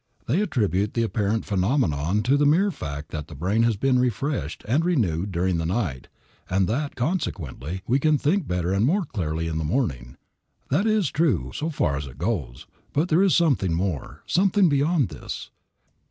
They attribute the apparent phenomenon to the mere fact that the brain has been refreshed and renewed during the night, and that, consequently, we can think better and more clearly in the morning. That is true, so far as it goes, but there is something more, something beyond this.